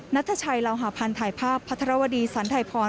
นัทชัยลาวหาพันธ์ถ่ายภาพพัทรวดีสันไทยพร